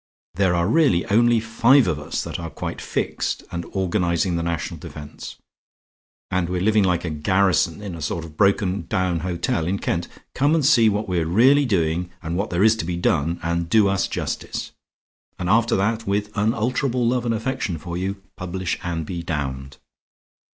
There are really only five of us that are quite fixed, and organizing the national defense; and we're living like a garrison in a sort of broken down hotel in Kent. Come and see what we're really doing and what there is to be done, and do us justice. And after that, with unalterable love and affection for you, publish and be damned."